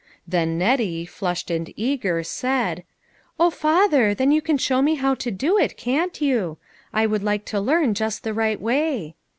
Then Nettie, flushed and eager, said :" O father, then you can show me how to do it, can't you? I would like to learn just the right way."